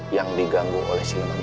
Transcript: yang diganggu oleh si lemah lemar